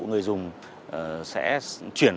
người dùng sẽ chuyển